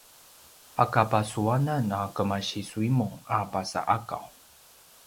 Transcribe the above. pakabasuanan a kemasiSuimung a pasa’Akaw